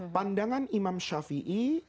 pandangan imam syafi'i